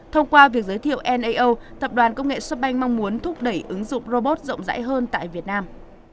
thông qua việc giới thiệu nao tập đoàn công nghệ shopbank mong muốn thúc đẩy ứng dụng robot rộng rãi hơn tại việt nam